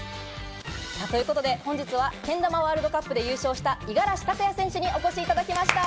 ということで本日は、けん玉ワールドカップで優勝した五十嵐拓哉選手にお越しいただきました。